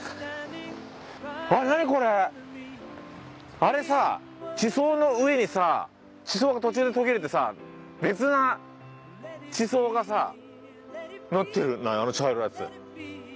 あれさ地層の上にさ地層が途中で途切れてさ別な地層がさのってるんだよあの茶色いやつ。